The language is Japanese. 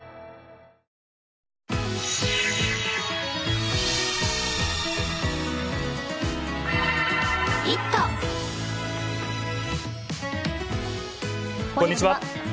こんにちは。